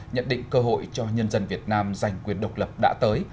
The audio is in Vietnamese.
nhận định cơ hội cho nhân dân việt nam giành quyền độc lập đã tới